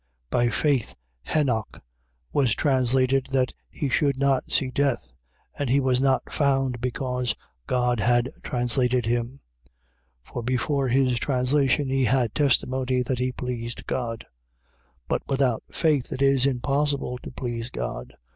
11:5. By faith Henoch was translated that he should not see death: and he was not found because God had translated him. For before his translation he had testimony that he pleased God. 11:6. But without faith it is impossible to please God.